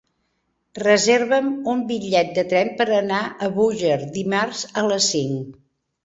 Reserva'm un bitllet de tren per anar a Búger dimarts a les cinc.